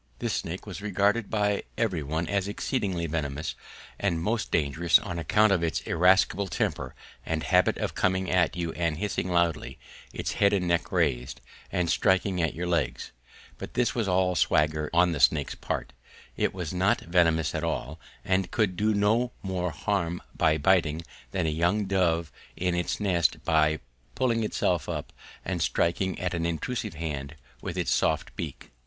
This snake was regarded by every one as exceedingly venomous and most dangerous on account of its irascible temper and habit of coming at you and hissing loudly, its head and neck raised, and striking at your legs. But this was all swagger on the snake's part: it was not venomous at all, and could do no more harm by biting than a young dove in its nest by puffing itself up and striking at an intrusive hand with its soft beak.